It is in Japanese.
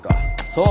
そう。